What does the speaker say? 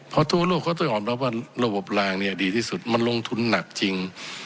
เพราะทั่วโลกเขาต้องยอมรับว่าระบบลางเนี่ยดีที่สุดมันลงทุนหนักจริง